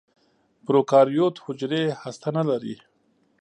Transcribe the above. پروکاریوت حجرې هسته نه لري.